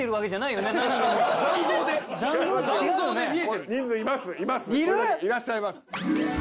いらっしゃいます。